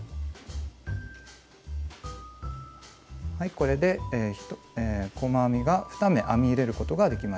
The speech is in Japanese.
これで細編みが２目編み入れることができました。